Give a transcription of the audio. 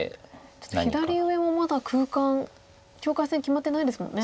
ちょっと左上もまだ空間境界線決まってないですもんね。